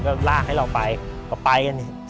ก็ลากให้เราไป